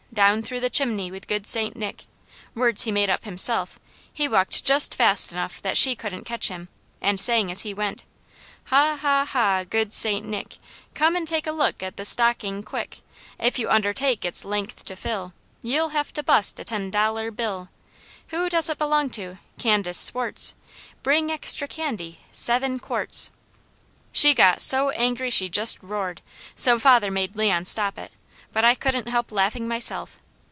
Down through the chimney, With good Saint Nick " words he made up himself. He walked just fast enough that she couldn't catch him, and sang as he went: "Ha, ha, ha, good Saint Nick, Come and look at this stocking, quick! If you undertake its length to fill, You'll have to bust a ten dollar bill. Who does it belong to? Candace Swartz. Bring extra candy, seven quarts " She got so angry she just roared, so father made Leon stop it, but I couldn't help laughing myself.